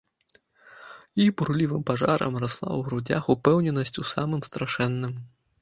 І бурлівым пажарам расла ў грудзях упэўненасць у самым страшэнным.